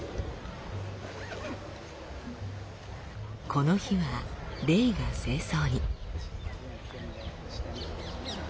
この日はレイが正装に。